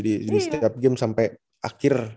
di setiap game sampai akhir